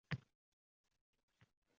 Bulutlarga soʼzladim unsiz.